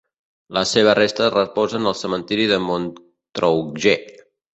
Les seves restes reposen al cementiri de Montrouge.